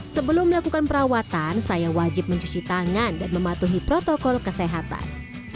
sebelum melakukan perawatan saya wajib mencuci tangan dan mematuhi protokol kesehatan